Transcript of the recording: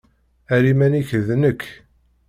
Err iman-ik d nekk.